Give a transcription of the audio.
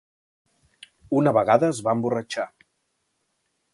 Una vegada es va emborratxar.